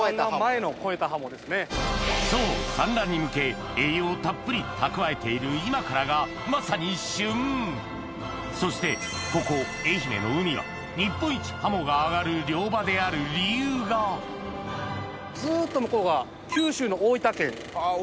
そう産卵に向け栄養をたっぷり蓄えている今からがまさに旬そしてここ愛媛の海は日本一ハモが揚がる漁場である理由がずっと向こうが九州の大分県。